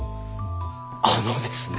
あのですね。